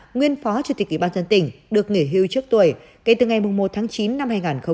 nguyên phó chủ tịch ủy ban dân tỉnh được nghỉ hưu trước tuổi kể từ ngày một tháng chín năm hai nghìn một mươi chín